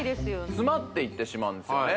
詰まっていってしまうんですよね